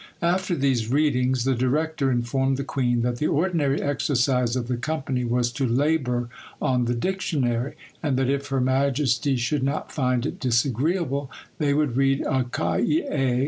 After these readings, the director informed the queen that the ordinary exercise of the company was to labour on the dictionary; and that if her majesty should not find it disagreeable, they would read a cahier.